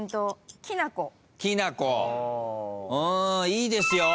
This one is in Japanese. いいですよ